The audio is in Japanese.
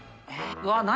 うわっ何？